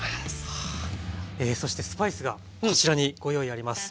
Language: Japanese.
そしてスパイスがこちらにご用意あります。